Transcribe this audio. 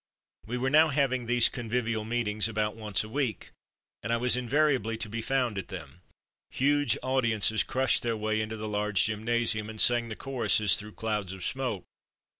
We were now having these convivial evenings about once a week, and I was invariably to be found at them. Huge audiences crushed their way Detailed for Aldershot 75 into the large gymnasium, and sang the choruses through clouds of smoke.